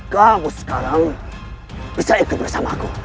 kamu sekarang bisa ikut bersama aku